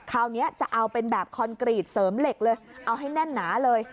คราวนี้จะเอาเป็นแบบคอนกรีตเสริมเหล็กเลยเอาให้แน่นหนาเลย